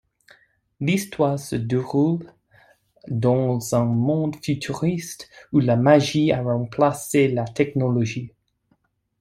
L'histoire se déroule dans un monde futuriste où la magie a remplacé la technologie.